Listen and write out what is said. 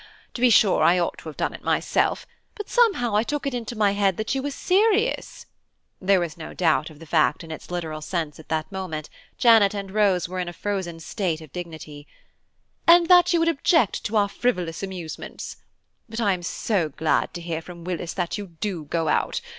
To be sure I ought to have done it myself, but somehow I took it into my head that you were serious," (there was no doubt of the fact in its literal sense at that moment: Janet and Rose were in a frozen state of dignity) "and that you would object to our frivolous amusements. But I am so glad to hear from Willis that you do go out.